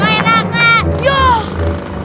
tidak enak kak